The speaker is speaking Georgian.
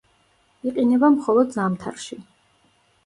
იყინება მხოლოდ ზამთარში.